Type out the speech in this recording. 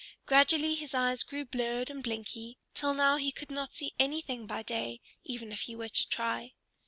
Gradually his eyes grew blurred and blinky, till now he could not see anything by day, even if he were to try.